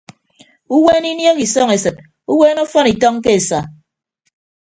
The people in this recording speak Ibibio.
Uweene iniehe isọñ esịt uweene ọfọn itọñ ke esa.